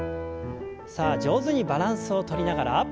さあ上手にバランスをとりながら。